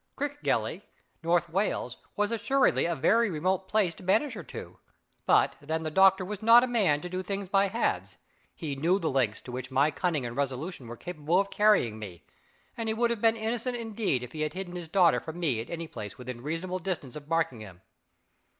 Crickgelly, North Wales, was assuredly a very remote place to banish her to; but then the doctor was not a man to do things by halves: he knew the lengths to which my cunning and resolution were capable of carrying me; and he would have been innocent indeed if he had hidden his daughter from me in any place within reasonable distance of Barkingham.